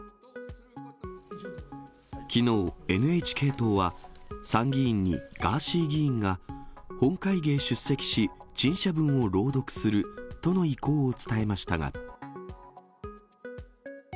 きのう、ＮＨＫ党は参議院にガーシー議員が本会議へ出席し、陳謝文を朗読するとの意向を伝えましたが。